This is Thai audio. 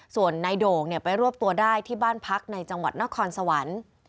ส่วนนายโด่งไปรวบตัวได้ที่บ้านพักในจังหวัดนครสวรรค์